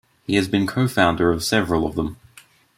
He has been cofounder of several of them.